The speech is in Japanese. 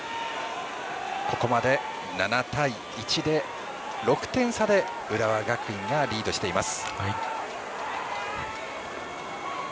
ここまで７対１で６点差で浦和学院がリードしています。